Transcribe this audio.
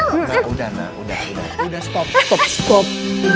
udah na udah udah udah stop stop stop